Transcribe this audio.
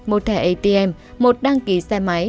một thẻ atm một đăng ký xe máy